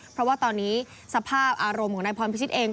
เพราะว่าตอนนี้สภาพอารมณ์ของนายพรพิชิตเอง